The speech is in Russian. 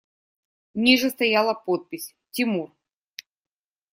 А ниже стояла подпись: «Тимур».